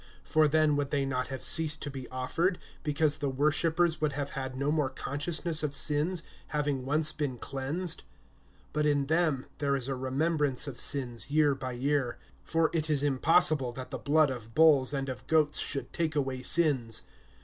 (2)For then would they not have ceased to be offered, because the worshipers would have had no more consciousness of sins, having once been cleansed? (3)But in them there is a remembrance of sins year by year. (4)For it is impossible that the blood of bulls and of goats should take away sins.